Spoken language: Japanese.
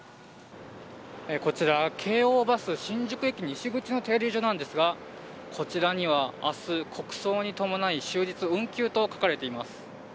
こちら、京王バス新宿駅西口の停留所なんですがこちらには明日、国葬に伴い終日運休と書かれています。